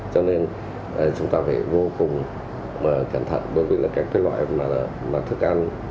cho nên chúng ta phải vô cùng cẩn thận đối với các loại thức ăn